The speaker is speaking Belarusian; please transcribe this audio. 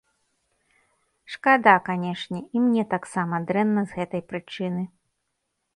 Шкада, канешне, і мне таксама дрэнна з гэтай прычыны.